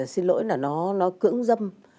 xin lỗi là nó nó cưỡng dâm